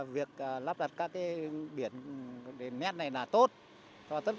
việc lắp đặt các cái biển nét này là tốt